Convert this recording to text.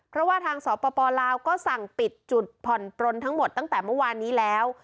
เพราะว่าทางสปลาวก็สั่งปิดจุดผ่อนปลนทั้งหมดตั้งแต่เมื่อวานนี้แล้ว